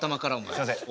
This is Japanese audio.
すいません。